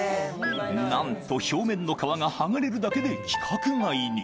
なんと表面の皮が剥がれるだけで規格外に。